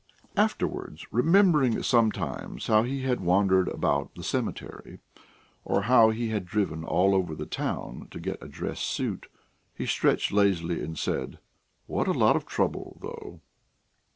Afterwards, remembering sometimes how he had wandered about the cemetery or how he had driven all over the town to get a dress suit, he stretched lazily and said: "What a lot of trouble, though!"